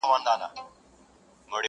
چى وطن ته دي بللي خياطان دي.!